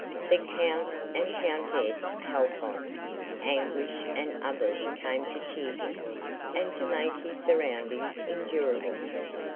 The Count and Countess Halfont, Anguish and others came to cheer him and to make his surroundings endurable.